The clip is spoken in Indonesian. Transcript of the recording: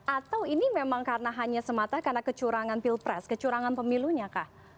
atau ini memang karena hanya semata karena kecurangan pilpres kecurangan pemilunya kah